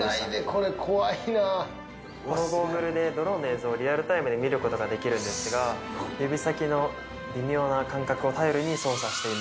このゴーグルでドローンの映像をリアルタイムで見ることができるんですが指先の微妙な感覚を頼りに操作しています。